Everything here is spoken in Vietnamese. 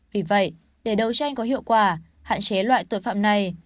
vì vậy để đấu tranh có hiệu quả hạn chế loại tội phạm này